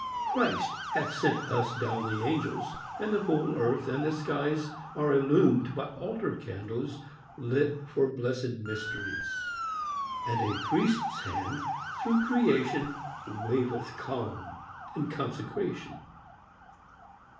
Christ hath sent us down the angels; And the whole earth and the skies Are illumed by altar candles TRUTH. 35 Lit for blessed mysteries ; And a Priest's Hand, through creation, Waveth calm and consecration.